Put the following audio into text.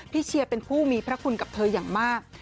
เชียร์เป็นผู้มีพระคุณกับเธออย่างมาก